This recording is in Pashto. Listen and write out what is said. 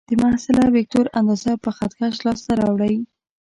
د محصله وکتور اندازه په خط کش لاس ته راوړئ.